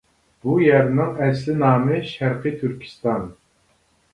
بۇ يەرنىڭ ئەسلى نامى شەرقىي تۈركىستان .